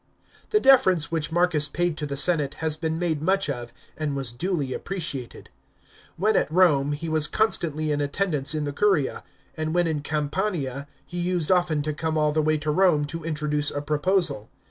The deference which Marcus paid to the senate has been made much of, and was duly appreciated. When at Home, he was con stantly in attendance in the curia, and when in Campania, he used often to come all the way to Rome to introduce a proposal.